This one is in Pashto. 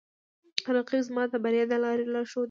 رقیب زما د بریا د لارې لارښود دی